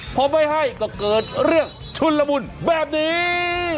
พอไม่ให้ก็เกิดเรื่องชุนละมุนแบบนี้